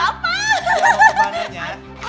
ya mau ke pantai ya